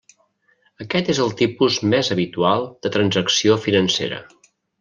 Aquest és el tipus més habitual de transacció financera.